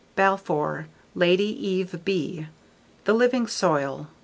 Balfour, Lady Eve B. _The Living Soil.